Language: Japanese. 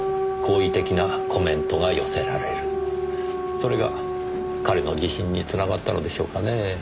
それが彼の自信に繋がったのでしょうかねぇ。